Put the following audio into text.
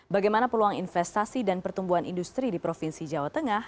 bagaimana peluang investasi dan pertumbuhan industri di provinsi jawa tengah